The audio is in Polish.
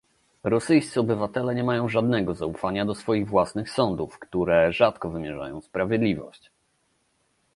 Rosyjscy obywatele nie mają żadnego zaufania do swoich własnych sądów, które rzadko wymierzają sprawiedliwość